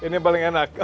ini yang paling enak oke